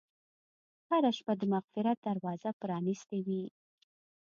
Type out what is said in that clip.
هره شپه د مغفرت دروازه پرانستې وي.